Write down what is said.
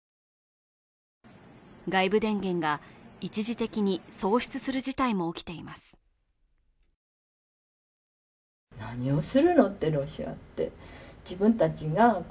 外部電源が一時的に喪失する事態も起きています。